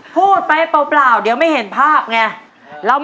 งกมากกว่าครับ